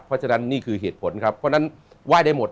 เพราะฉะนั้นนี่คือเหตุผลครับเพราะฉะนั้นไหว้ได้หมด